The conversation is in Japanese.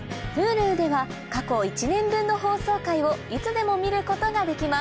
Ｈｕｌｕでは過去１年分の放送回をいつでも見ることができます